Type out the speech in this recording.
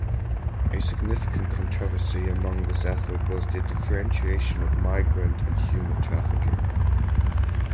A significant controversy among this effort was the differentiation of migrant and human trafficking.